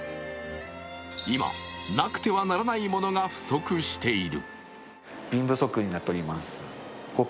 今、なくてはならないものが不足している。